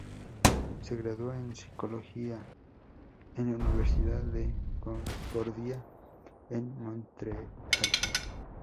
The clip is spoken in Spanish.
Se graduó en Psicología en la Universidad de Concordia en Montreal.